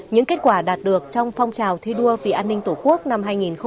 những kết quả đạt được trong phong trào thi đua vì an ninh tổ quốc năm hai nghìn hai mươi ba